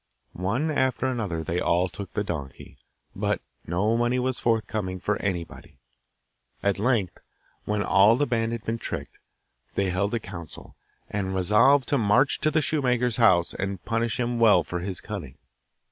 One after another they all took the donkey, but no money was forthcoming for anybody. At length, when all the band had been tricked, they held a council, and resolved to march to the shoemaker's house and punish him well for his cunning.